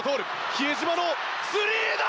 比江島のスリーだ！